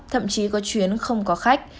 thậm chí có chuyến không có khách